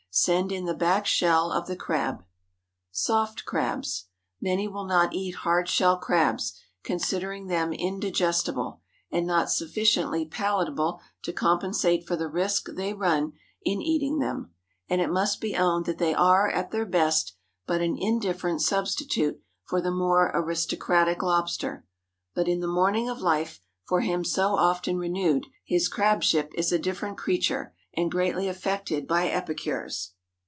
Send in the back shell of the crab. SOFT CRABS. ✠ Many will not eat hard shell crabs, considering them indigestible, and not sufficiently palatable to compensate for the risk they run in eating them. And it must be owned that they are, at their best, but an indifferent substitute for the more aristocratic lobster. But in the morning of life, for him so often renewed, his crabship is a different creature, and greatly affected by epicures.